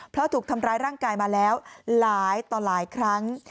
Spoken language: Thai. เพราะถูกทำร้ายร่างกายมาแล้วหลายต่อหลายครั้ง